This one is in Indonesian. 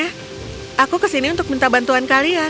keduduk saya ke sini untuk meminta bantuan sekalian